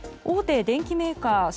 大手電機メーカー